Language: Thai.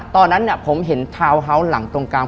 ตอนนั้นผมเห็นทาวน์เฮาส์หลังตรงกลาง